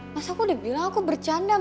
mas aku udah bilang aku bercanda mas